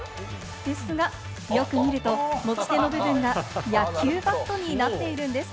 ですが、よく見ると持ち手の部分が野球バットになっているんです。